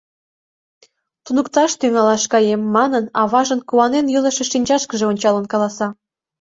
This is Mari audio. Туныкташ тӱҥалаш каем! — манын, аважын куанен йӱлышӧ шинчашкыже ончалын каласа.